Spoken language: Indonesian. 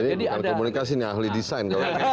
ini bukan komunikasi ini ahli desain